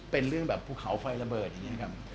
เป็นเรื่องแบบภูเขาไฟระเบิดอย่างนี้ครับ